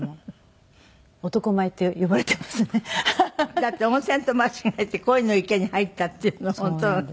だって温泉と間違えてコイの池に入ったっていうの本当なの？